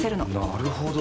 なるほど。